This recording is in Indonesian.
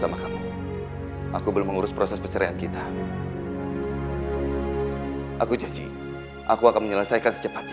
aku janji aku akan menyelesaikan secepatnya